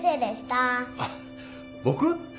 あっ僕？